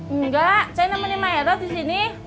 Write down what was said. enggak saya nemenin ma erod disini